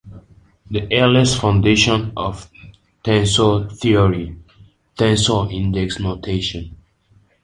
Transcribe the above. The earliest foundation of tensor theory - tensor index notation.